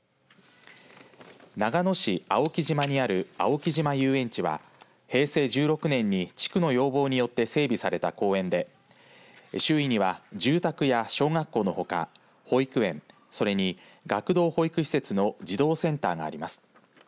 長野市青木島にある青木島遊園地は平成１６年に地区の要望によって整備された公園で周囲には住宅や小学校のほか保育園、それに学童保育施設の児童センターがあります。